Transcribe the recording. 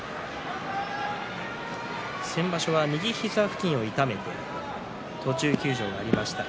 先場所は右膝付近を痛めて途中休場がありました。